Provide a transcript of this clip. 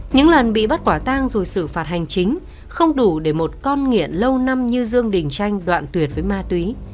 những lần bị bắt quả tang rồi xử phạt hành chính không đủ để một con nghiện lâu năm như dương đình chanh đoạn tuyệt với ma túy